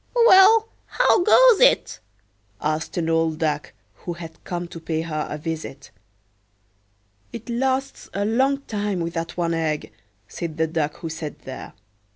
"Well, how goes it?" asked an old Duck who had come to pay her a visit."It lasts a long time with that one egg," said the Duck who sat there.